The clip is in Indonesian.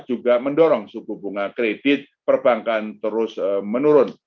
juga mendorong suku bunga kredit perbankan terus menurun